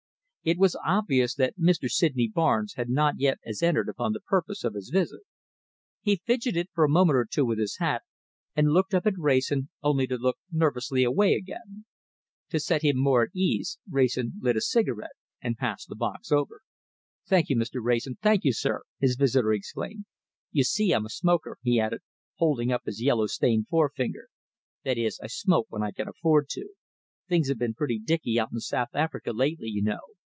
It was obvious that Mr. Sydney Barnes had not as yet entered upon the purpose of his visit. He fidgeted for a moment or two with his hat, and looked up at Wrayson, only to look nervously away again. To set him more at his ease, Wrayson lit a cigarette and passed the box over. "Thank you, Mr. Wrayson! Thank you, sir!" his visitor exclaimed. "You see I'm a smoker," he added, holding up his yellow stained forefinger. "That is, I smoke when I can afford to. Things have been pretty dicky out in South Africa lately, you know.